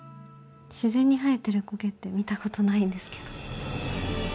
自然に生えてる苔って見たことないんですけど。